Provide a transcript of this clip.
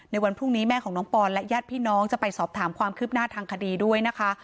ในวันพรุ่งนี้แม่ของน้องปอนและญาติพี่น้องจะไปสอบถามความคืบหน้าทางคดีด้วยนะคะ